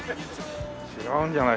違うんじゃない？